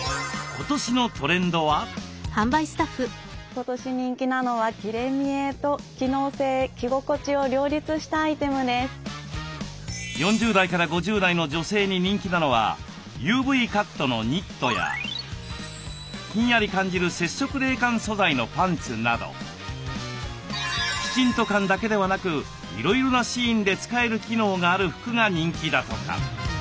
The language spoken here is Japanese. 今年人気なのは４０代から５０代の女性に人気なのはＵＶカットのニットやひんやり感じる接触冷感素材のパンツなどきちんと感だけではなくいろいろなシーンで使える機能がある服が人気だとか。